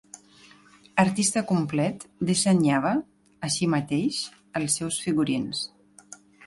Artista complet, dissenyava, així mateix, els seus figurins.